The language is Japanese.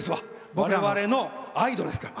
我々のアイドルですから。